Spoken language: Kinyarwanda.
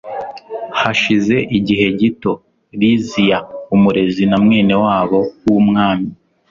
hashize igihe gito, liziya, umurezi na mwene wabo w'umwami